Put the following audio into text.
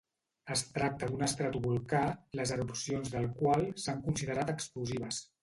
Es tracta d'un estratovolcà les erupcions del qual s'han considerat explosives.